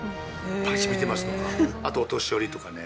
「毎日見てます」とかあとお年寄りとかね